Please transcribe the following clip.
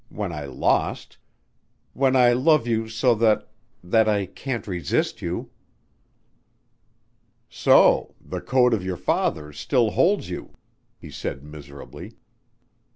when I lost ... when I love you so that ... that I can't resist you." "So, the code of your fathers still holds you," he said miserably.